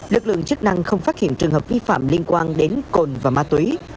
lực lượng chức năng không phát hiện trường hợp vi phạm liên quan đến cồn và ma túy